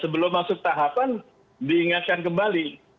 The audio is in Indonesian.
sebelum masuk tahapan diingatkan kembali